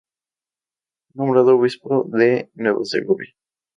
Fue nombrado obispo de "Nueva Segovia".